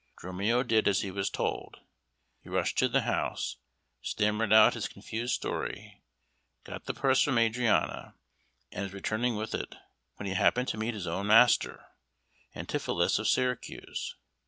Dromio did as he was told. He rushed to the house, stammered out his confused story, got the purse from Adriana, and was returning with it, when he happened to meet his own master, Antipholus of Syracuse.